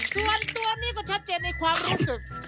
ส่วนตัวนี้ก็ชัดเจนในความรู้สึก